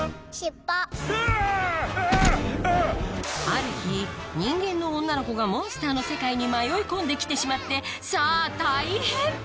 ある日人間の女の子がモンスターの世界に迷い込んで来てしまってさぁ大変！